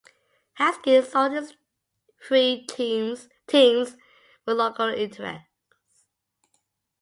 Hatskin sold his three teams to local interests.